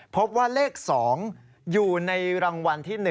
พบว่าเลข๒อยู่ในรางวัลที่๑